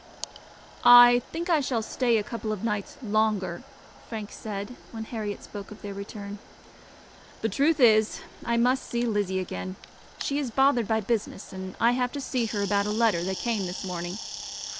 "I think I shall stay a couple of days longer," Frank said, when Herriot spoke of their return. "The truth is I must see Lizzie again. She is bothered by business, and I have to see her about a letter that came this morning.